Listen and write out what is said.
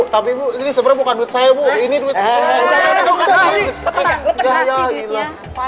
tapi ibu ini sebenernya bukan duit saya